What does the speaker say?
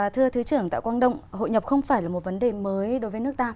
thưa thứ trưởng tạ quang đông hội nhập không phải là một vấn đề mới đối với nước ta